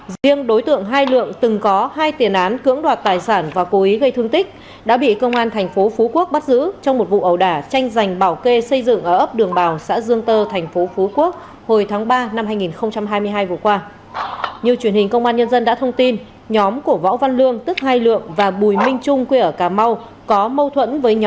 riêng đối tượng hai lượng từng có hai tiền án cưỡng đoạt tài sản và cố ý gây thương tích đã bị công an tp hcm bắt giữ trong một vụ ẩu đả tranh giành bảo kê xây dựng ở ấp đường bào xã dương tơ tp hcm hồi tháng ba năm hai nghìn hai mươi hai vừa qua